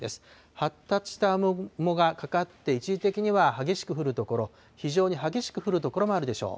発達した雨雲がかかって、一時的には激しく降る所、非常に激しく降る所もあるでしょう。